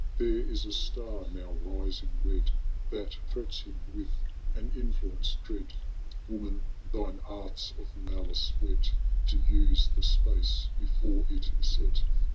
There is a star now rising red. That threats him with an influence dread ; Woman, thine arts of malice whet. To use the space before it set.